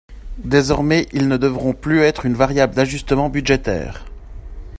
Désormais, ils ne devront plus être une variable d’ajustement budgétaire.